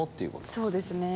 そうですね。